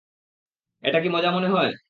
এটা কি মজা মনে হয়?